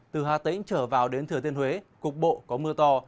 từ hà tĩnh trở vào đến thừa tiên huế cục bộ có mưa to